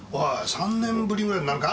３年ぶりぐらいになるか？